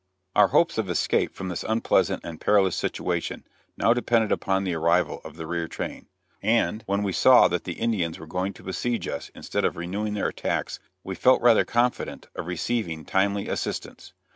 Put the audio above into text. Our hopes of escape from this unpleasant and perilous situation now depended upon the arrival of the rear train, and when we saw that the Indians were going to besiege us instead of renewing their attacks, we felt rather confident of receiving timely assistance.